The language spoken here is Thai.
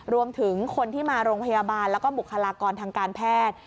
รวมถึงคนที่มาโรงพยาบาลแล้วก็บุคลากรทางการแพทย์